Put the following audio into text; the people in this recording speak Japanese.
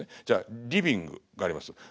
じゃあリビングがあります。